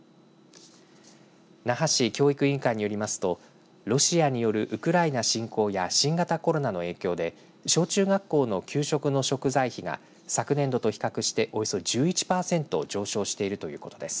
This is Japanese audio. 那覇市教育委員会によりますとロシアによるウクライナ侵攻や新型コロナの影響で小中学校の給食の食材費が昨年度と比較しておよそ１１パーセント上昇しているということです。